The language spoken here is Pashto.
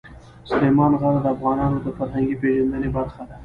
سلیمان غر د افغانانو د فرهنګي پیژندنې برخه ده.